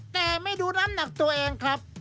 แต่ไม่ดูน้ำหนักตัวเองครับ